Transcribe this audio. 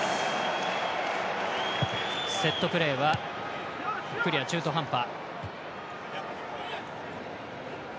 セットプレーはクリア中途半端。